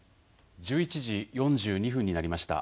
１１時４２分になりました。